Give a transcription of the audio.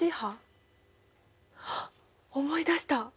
あっ思い出した！